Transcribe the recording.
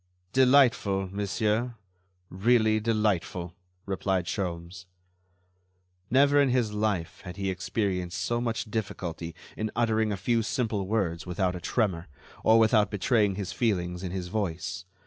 "Delightful, monsieur, really delightful," replied Sholmes. Never in his life had he experienced so much difficulty in uttering a few simple words without a tremor, or without betraying his feelings in his voice.